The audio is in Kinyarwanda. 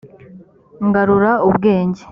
ngarura ubwenge.